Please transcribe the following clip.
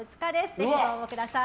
ぜひ応募ください。